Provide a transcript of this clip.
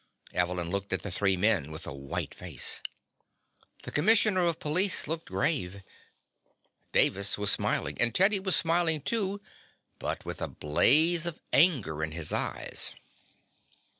Evelyn looked at the three men with a white face. The commissioner of police looked grave. Davis was smiling, and Teddy was smiling, too, but with a blaze of anger in his eyes.